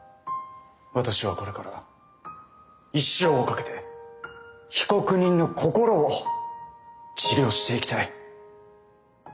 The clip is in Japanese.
私はこれから一生をかけて被告人の心を治療していきたい。